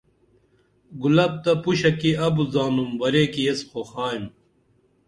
گلاب تہ پُشہ کی ابُت زانُم ورے کی ایس خوخائم